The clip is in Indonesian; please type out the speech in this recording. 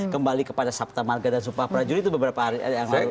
kembali kepada sabta marga dan sumpah prajurit itu beberapa hari yang lalu